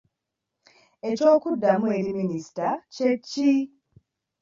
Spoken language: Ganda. Eky'okuddamu eri minisita kye ki?